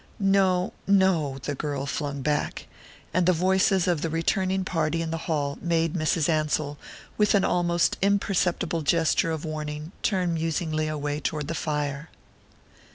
"No no," the girl flung back; and the voices of the returning party in the hall made Mrs. Ansell, with an almost imperceptible gesture of warning, turn musingly away toward the fire.